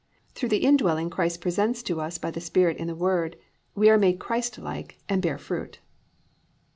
Through the indwelling Christ presented to us by the Spirit in the Word, we are made Christlike and bear fruit.